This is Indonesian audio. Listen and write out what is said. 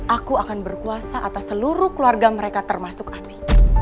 aku akan berkuasa atas seluruh keluarga mereka termasuk ami